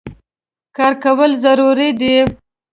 کار کول ضرور دي